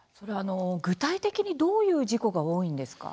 具体的にどういう事故が多いんですか？